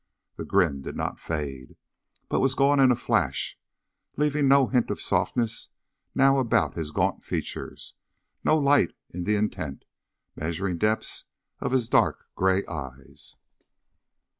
The grin did not fade, but was gone in a flash, leaving no hint of softness now about his gaunt features, no light in the intent, measuring depths of his dark gray eyes.